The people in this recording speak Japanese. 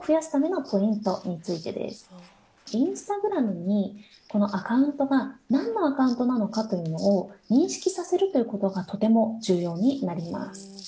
インスタグラムにこのアカウントが何のアカウントなのかを認識させるというのがとても重要になります。